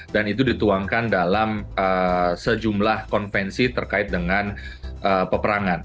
dan itu dituangkan dalam sejumlah konvensi terkait dengan peperangan